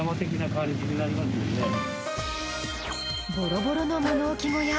ボロボロの物置小屋。